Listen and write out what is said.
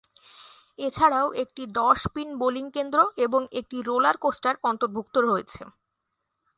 এছাড়াও একটি দশ পিন বোলিং কেন্দ্র এবং একটি রোলার কোস্টার অন্তর্ভুক্ত রয়েছে।